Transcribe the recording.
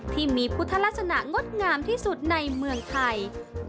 ที่มีพุทธลักษณะงดงามที่สุดในเมืองไทย